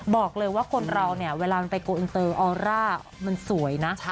บอกเลยว่าคนเราเนี่ยเวลามันไปโกอินเตอร์ออร่ามันสวยนะ